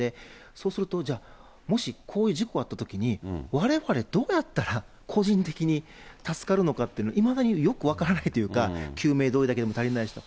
そうすると、もしこういう事故があったときに、われわれ、どうやったら個人的に助かるのかって、いまだによく分からないというか、救命胴衣だけでも足りないしと。